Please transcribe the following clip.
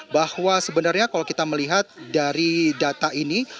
bahwa sebenarnya kalau kita melihat dari data ini